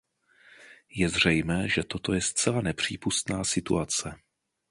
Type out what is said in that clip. Je zřejmé, že toto je zcela nepřípustná situace.